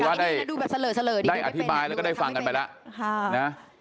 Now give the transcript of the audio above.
ก็ถือใดอธิบายและได้ฟังไปป่ะ